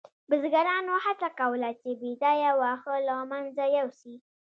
بزګرانو هڅه کوله چې بې ځایه واښه له منځه یوسي.